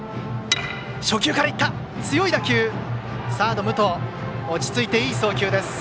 サード、武藤落ち着いて、いい送球です。